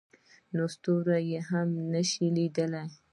نو ستوري هم نه شي لیدلی.